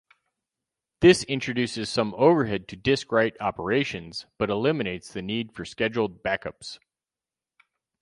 This introduces some overhead to disk-write operations but eliminates the need for scheduled backups.